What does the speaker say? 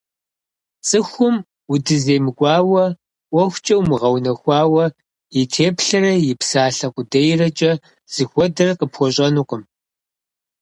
ЦӀыхум удыземыкӀуауэ, ӀуэхукӀэ умыгъэунэхуауэ, и теплъэрэ и псалъэ къудейрэкӀэ зыхуэдэр къыпхуэщӀэнукъым.